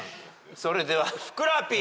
それではふくらＰ。